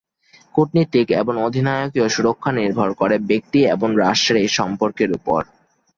কূটনীতিক এবং অধিনায়কীয় সুরক্ষা নির্ভর করে ব্যক্তি এবং রাষ্ট্রের এই সম্পর্কের উপর।